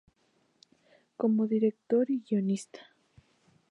Como director y guionista